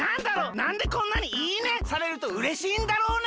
なんでこんなに「いいね」されるとうれしいんだろうね？